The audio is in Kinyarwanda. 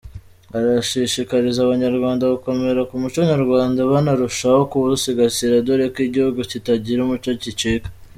Arashishikariza Abanyarwanda gukomera ku muco nyarwanda banarushaho kuwusigasira dore ko igihugu kitagira umuco gicika.